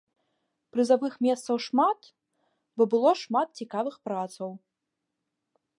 Прызавых месцаў шмат, бо было шмат цікавых працаў.